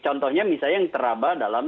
contohnya misalnya yang teraba dalam